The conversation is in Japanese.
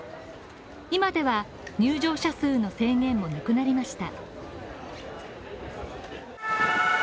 今では入場者数の制限もなくなりました。